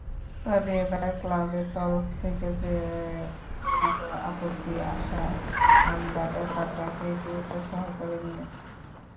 তবে এবার ক্লাবের তরফ থেকে জোরালো আপত্তি আসায় আমরা ব্যাপারটাকে গুরুত্বসহকারে নিয়েছি।